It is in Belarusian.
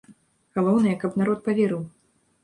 Галоўнае, каб народ паверыў.